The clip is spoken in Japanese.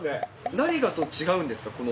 何が違うんですか、この。